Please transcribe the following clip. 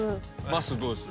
まっすーどうです？